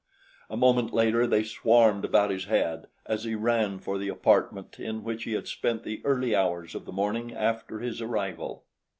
A moment later they swarmed about his head as he ran for the apartment in which he had spent the early hours of the morning after his arrival.